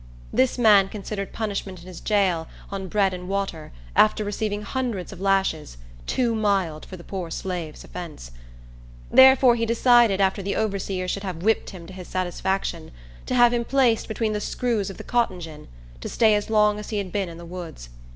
This man considered punishment in his jail, on bread and water, after receiving hundreds of lashes, too mild for the poor slave's offence. Therefore he decided, after the overseer should have whipped him to his satisfaction, to have him placed between the screws of the cotton gin, to stay as long as he had been in the woods.